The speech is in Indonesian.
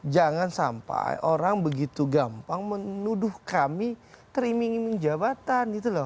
jangan sampai orang begitu gampang menuduh kami teriming iming jabatan